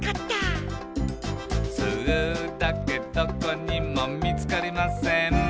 「スーだけどこにもみつかりません」